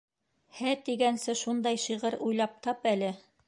«Һә» тигәнсе шундай шиғыр уйлап тап әле!